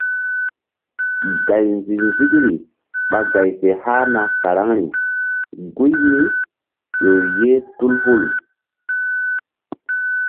Gay nzi-nzikri ɓa gay fe hahna karaŋri guy mí ƴo ye tul hul.